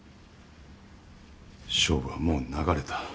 勝負はもう流れた。